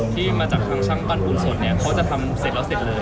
ที่มาจากทางช่างปั้นบุญสดเนี่ยเขาจะทำเสร็จแล้วเสร็จเลย